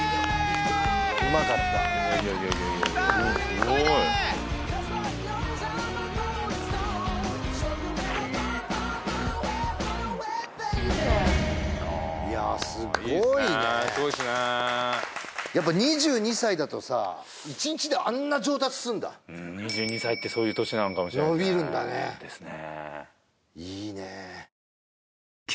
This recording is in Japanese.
うまかったさあふみふみ漕いでいやすごいねいいっすねすごいっすねやっぱ２２歳だとさ１日であんな上達すんだうん２２歳ってそういう年なのかもしれないですね伸びるんだねですね